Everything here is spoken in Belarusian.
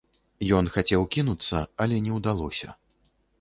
Ён і хацеў кінуцца, але не ўдалося.